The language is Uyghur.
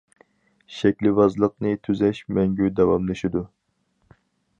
شەكىلۋازلىقنى تۈزەش مەڭگۈ داۋاملىشىدۇ.